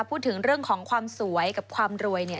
พูดถึงเรื่องของความสวยกับความรวยเนี่ย